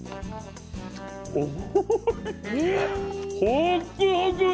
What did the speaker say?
ホックホク！